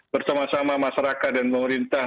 bersama sama masyarakat dan pemerintah